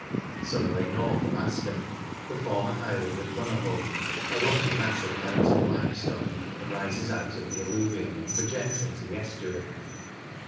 Some way north of Askham the former island of Dunnerholme, a rocky mass of mountain limestone, rises out of the alluvium, and projects into the estuary.